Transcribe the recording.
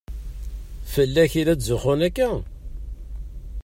Fell-ak i la tzuxxun akka?